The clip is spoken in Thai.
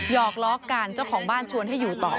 อกล้อกันเจ้าของบ้านชวนให้อยู่ต่อ